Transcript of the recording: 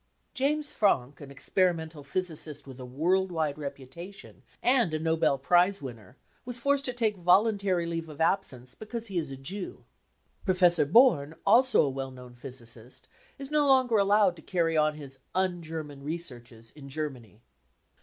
James Franck, an experimental physicist with a world wide reputation and a Nobel prize winner, was forced to take " voluntary " leave of absence because he is a Jew, Professor Bom, also a well known physicist, is no longer allowed to carry on his u un German 55 researches in Germany.